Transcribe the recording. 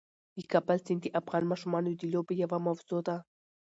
د کابل سیند د افغان ماشومانو د لوبو یوه موضوع ده.